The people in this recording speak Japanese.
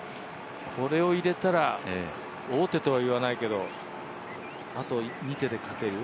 これを入れたら王手とは言わないけど、あと２手で勝てる。